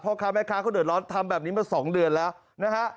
ค้าแม่ค้าเขาเดือดร้อนทำแบบนี้มา๒เดือนแล้วนะฮะ